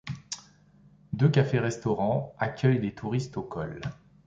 Deux cafés-restaurants accueillent les touristes au col.